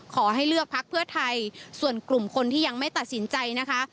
ขอให้เลือกพักเพื่อไทยส่วนกลุ่มคนที่ยังไม่ตัดสินใจนะคะ